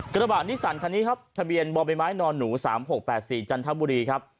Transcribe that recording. กระบะนิสันคันนี้ครับทะเบียนบ่อใบไม้นอนหนู๓๖๘๔จันทบุรีครับ